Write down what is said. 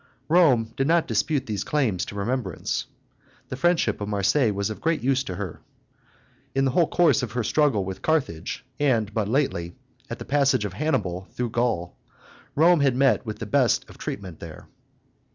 Rome did not dispute these claims to remembrance. The friendship of Marseilles was of great use to her. In the whole course of her struggle with Carthage, and but lately, at the passage of Hannibal through Gaul, Rome had met with the best of treatment there.